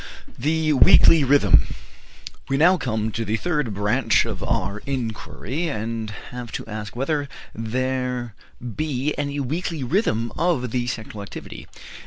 THE WEEKLY RHYTHM. We now come to the third branch of our inquiry, and have to ask whether there be any weekly rhythm of the sexual activity.